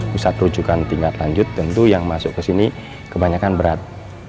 pusat rujukan tingkat lanjut tentu yang masuk ke sini kebanyakan berat